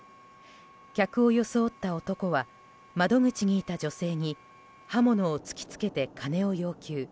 客を装った男は窓口にいた女性に刃物を突き付けて金を要求。